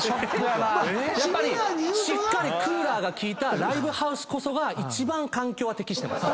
やっぱりしっかりクーラーが効いたライブハウスこそが一番環境は適してます。